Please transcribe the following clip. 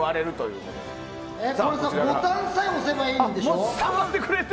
これ、ボタンさえ押せばいいんでしょ！